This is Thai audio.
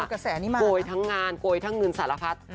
โกยทั้งงานโกยทั้งเงินสารพัฒน์